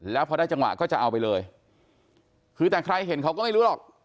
แล้วพอได้จังหวะก็จะเอาไปเลยคือแต่ใครเห็นเขาก็ไม่รู้หรอก